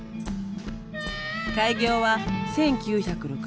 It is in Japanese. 開業は１９６３年。